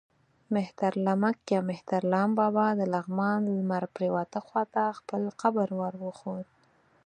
مهترلمک یا مهترلام بابا د لغمان لمر پرېواته خوا ته خپل قبر ور وښود.